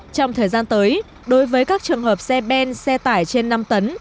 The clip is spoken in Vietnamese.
trong thời gian tới đối với các trường hợp xe ben xe tải trên năm tấn